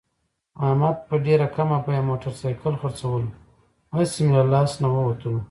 احمد په ډېره کمه بیه موټرسایکل خرڅولو، هسې مه له لاس نه ووتلو.